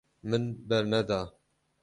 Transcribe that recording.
Min berneda.